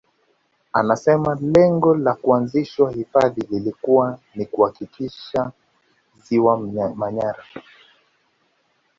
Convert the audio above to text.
Anasema lengo la kuanzishwa hifadhi lilikuwa ni kuhakikisha Ziwa Manyara